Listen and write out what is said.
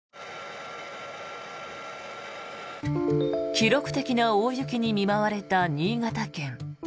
記録的な大雪に見舞われた新潟県。